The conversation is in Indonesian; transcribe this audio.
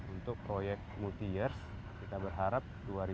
untuk proyek multi years kita berharap dua ribu tiga puluh ini selesai